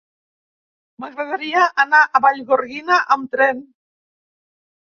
M'agradaria anar a Vallgorguina amb tren.